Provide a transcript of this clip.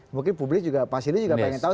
mungkin publis juga pak sili juga ingin tahu